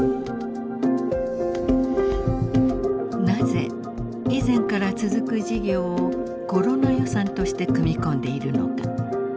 なぜ以前から続く事業をコロナ予算として組み込んでいるのか。